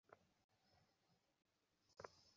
জানি, মা।